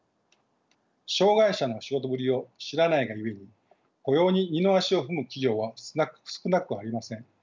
障害者の仕事ぶりを知らないがゆえに雇用に二の足を踏む企業は少なくありません。